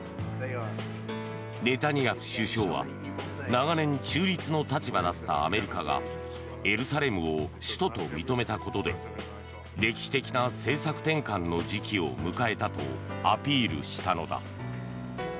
ネタニヤフ首相は長年中立の立場だったアメリカがエルサレムを首都と認めたことで歴史的な政策転換の時期を迎えたと、アピールしたのだ。